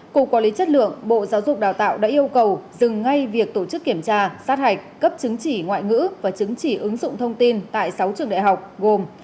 cục quản lý chất lượng bộ giáo dục đào tạo đã yêu cầu dừng ngay việc tổ chức kiểm tra sát hạch cấp chứng chỉ ngoại ngữ và chứng chỉ ứng dụng thông tin tại sáu trường đại học gồm